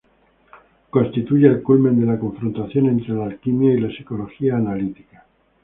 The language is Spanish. Constituye el culmen de la confrontación entre la alquimia y la psicología analítica.